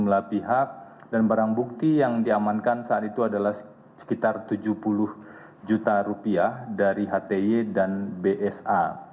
sejumlah pihak dan barang bukti yang diamankan saat itu adalah sekitar tujuh puluh juta rupiah dari hti dan bsa